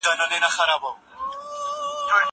زه بايد سبزېجات تيار کړم!